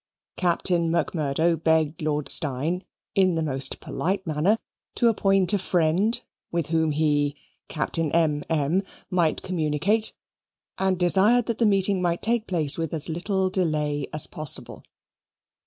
Captain Macmurdo begged Lord Steyne, in the most polite manner, to appoint a friend, with whom he (Captain M.M.) might communicate, and desired that the meeting might take place with as little delay as possible.